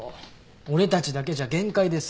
俺たちだけじゃ限界です。